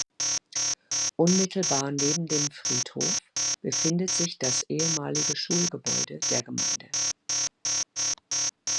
Unmittelbar neben dem Friedhof befindet sich das ehemalige Schulgebäude der Gemeinde.